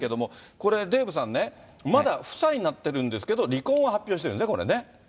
これ、デーブさんね、まだ夫妻になってるんですけど、離婚は発表してるんですね、これね。